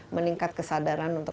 meningkat kesadaran untuk